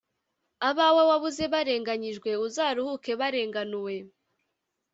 abawe wabuze barenganyijwe uzaruhuke barenganuwe